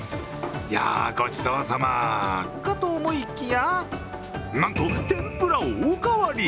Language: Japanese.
いや、ごちそうさまかと思いきや、なんと、天ぷらをおかわり。